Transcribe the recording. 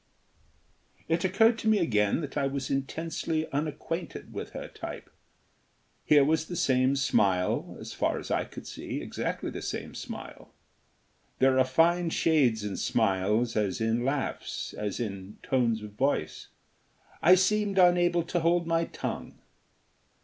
It occurred to me again that I was intensely unacquainted with her type. Here was the same smile as far as I could see, exactly the same smile. There are fine shades in smiles as in laughs, as in tones of voice. I seemed unable to hold my tongue.